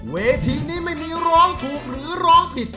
เวทีนี้ไม่มีร้องถูกหรือร้องผิด